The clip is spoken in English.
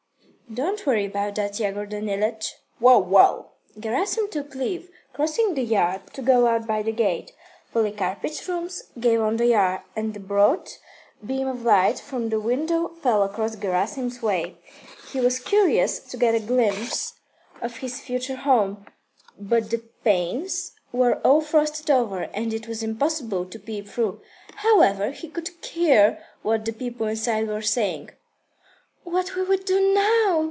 "Don't worry about that, Yegor Danilych." "Well well." Gerasim took leave, crossing the yard to go out by the gate. Polikarpych's rooms gave on the yard, and a broad beam of light from the window fell across Gerasim's way. He was curious to get a glimpse of his future home, but the panes were all frosted over, and it was impossible to peep through. However, he could hear what the people inside were saying. "What will we do now?"